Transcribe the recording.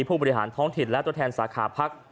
ผู้บริหารท้องถิ่นและตัวแทนสาขาพัก